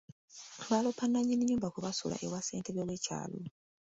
Baaloopa nnannyini nnyumba kwe basula ewa ssentebe w'ekyalo.